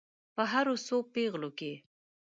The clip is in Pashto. په هرو څو پیغلو کې.